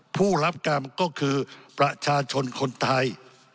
ผู้รับกรรมก็คือประชาชนคนไทย